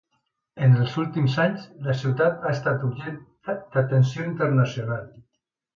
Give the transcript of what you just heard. En els últims anys, la ciutat ha estat objecte d'atenció internacional.